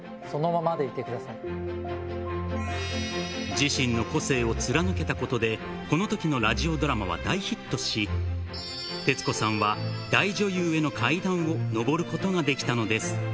自身の個性を貫けたことで、このときのラジオドラマは大ヒットし、徹子さんは大女優への階段を上ることができたのです。